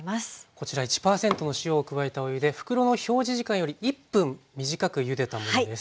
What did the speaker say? こちら１％の塩を加えたお湯で袋の表示時間より１分短くゆでたものです。